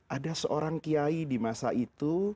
ada seorang kiai di masa itu